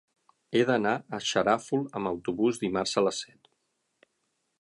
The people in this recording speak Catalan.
He d'anar a Xarafull amb autobús dimarts a les set.